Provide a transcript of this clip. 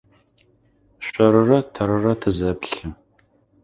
Шъорырэ тэрырэ тызэплъы.